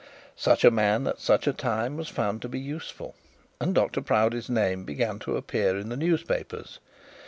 Such a man at such a time was found to be useful, and Dr Proudie's name began to appear in the newspapers.